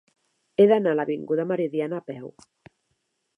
He d'anar a l'avinguda Meridiana a peu.